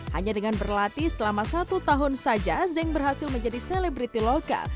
hanya dengan berlatih selama satu tahun saja zeng berhasil menjadi selebriti lokal